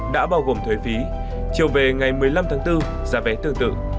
đã bao gồm thuế phí chiều về ngày một mươi năm tháng bốn giá vé tương tự